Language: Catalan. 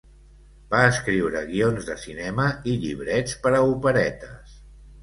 Va escriure guions de cinema i llibrets per a operetes.